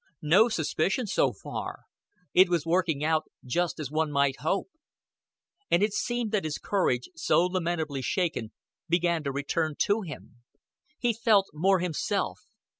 No suspicion so far. It was working out just as one might hope. And it seemed that his courage, so lamentably shaken, began to return to him. He felt more himself.